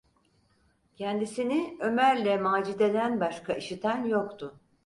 Kendisini Ömer’le Macide’den başka işiten yoktu.